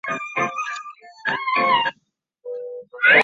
柴胡状斑膜芹是伞形科斑膜芹属的植物。